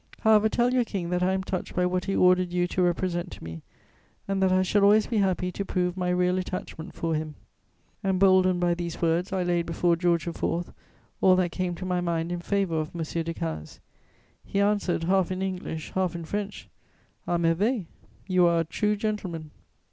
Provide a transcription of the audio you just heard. However, tell your King that I am touched by what he ordered you to represent to me, and that I shall always be happy to prove my real attachment for him." Emboldened by these words, I laid before George IV. all that came to my mind in favour of M. Decazes. He answered, half in English, half in French: "À merveille! You are a true gentleman!"